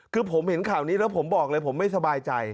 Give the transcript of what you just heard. คือผมเห็นข่าวนี้แล้วผมบอกเลยผมไม่สบายใจ